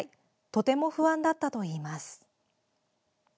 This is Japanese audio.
とても不安だったといいます。